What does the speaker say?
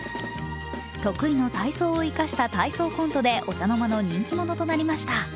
得意の体操を生かした体操コントでお茶の間の人気者となりました。